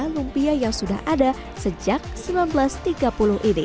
lumpia yang sudah ada sejak seribu sembilan ratus tiga puluh ini